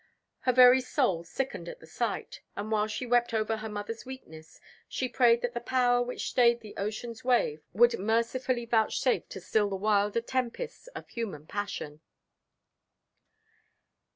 Her very soul sickened at the sight; and while she wept over her mother's weakness, she prayed that the Power which stayed the ocean's wave would mercifully vouchsafe to still the wilder tempests of human passion.